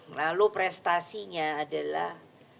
lalu prestasinya adalah